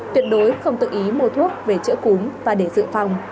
tuyệt đối không tự ý mua thuốc về chữa cúm và để dự phòng